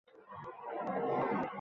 Sim qoqdi